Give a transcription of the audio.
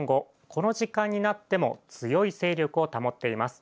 この時間になっても強い勢力を保っています。